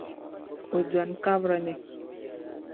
O dɔni kabiri ni.